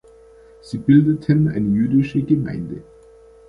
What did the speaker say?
Sie bildeten eine jüdische Gemeinde.